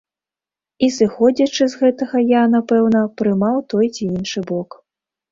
І сыходзячы з гэтага я, напэўна, прымаў той ці іншы бок.